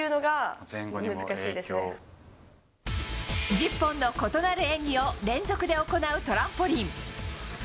１０本の異なる演技を連続で行うトランポリン。